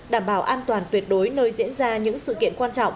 đảm bảo an toàn tuyệt đối nơi diễn ra những sự kiện quan trọng